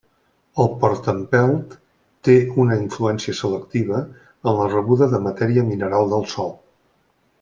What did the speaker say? El portaempelt té una influència selectiva en la rebuda de matèria mineral del sòl.